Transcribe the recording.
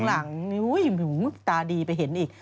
อ๋ออยู่ข้างหลังตาดีไปเห็นอีก